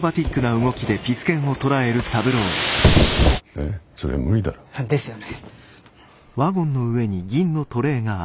えっそれ無理だろ。ですよね。